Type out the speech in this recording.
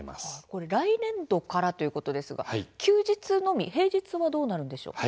これ、来年度からということですが、休日のみ平日はどうなるんでしょう。